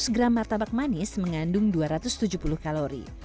seratus gram martabak manis mengandung dua ratus tujuh puluh kalori